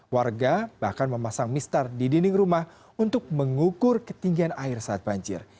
warga bahkan memasang mistar di dinding rumah untuk mengukur ketinggian air saat banjir